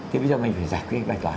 thì bây giờ mình phải giải quyết bài toán